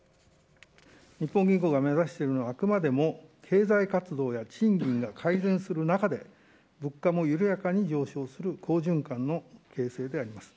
日本銀行が目指しているのは、あくまでも経済活動や賃金が改善する中で、物価も緩やかに上昇する好循環の形成であります。